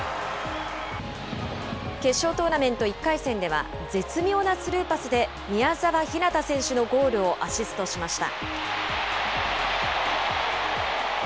決勝トーナメント１回戦では、絶妙なスルーパスで、宮澤ひなた選手のゴールをアシストしました。